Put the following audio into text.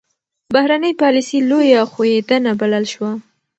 بهرنۍ پالیسي لویه ښوېېدنه بلل شوه.